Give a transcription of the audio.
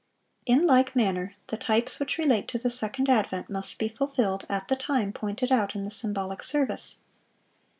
(654) In like manner, the types which relate to the second advent must be fulfilled at the time pointed out in the symbolic service.